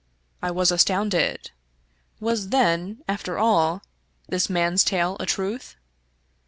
I was astounded. Was then, after all, this man's tale a truth?